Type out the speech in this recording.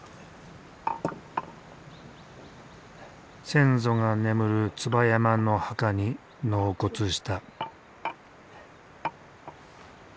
先祖が眠る椿山の墓に納骨した。